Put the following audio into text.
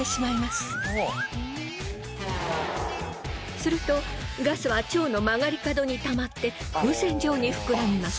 するとガスは腸の曲がり角にたまって風船状に膨らみます。